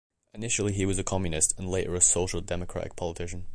Initially he was a communist and later a social democratic politician.